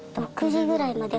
６時ぐらいまで。